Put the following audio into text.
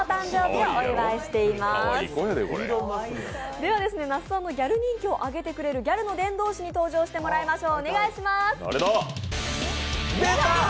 では那須さんのギャル人気を上げてくれるギャルの伝道師に登場していただきましょう。